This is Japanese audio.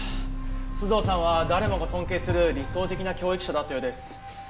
須藤さんは誰もが尊敬する理想的な教育者だったようです。